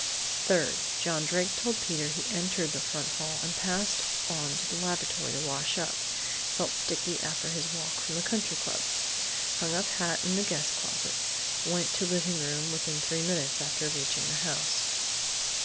"Third: John Drake told Peter he entered the front hall and passed on to the lavatory to wash up. Felt sticky after his walk from the Country Club. Hung up hat in the guest closet. Went to living room within three minutes after reaching the house.